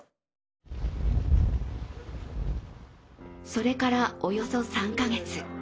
それからおよそ３カ月。